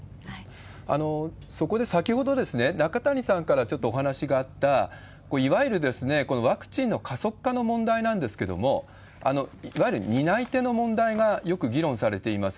そこで先ほど、中谷さんからちょっとお話があった、いわゆるワクチンの加速化の問題なんですけれども、いわゆる担い手の問題がよく議論されています。